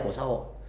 của xã hội